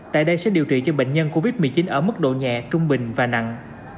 tại đây sẽ điều trị cho bệnh nhân covid một mươi chín ở mức độ nhẹ trung bình và nặng